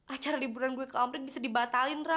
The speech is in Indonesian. acara liburan gue ke amplit bisa dibatalin ra